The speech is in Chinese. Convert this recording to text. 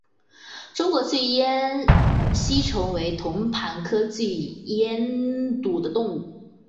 中华巨咽吸虫为同盘科巨咽属的动物。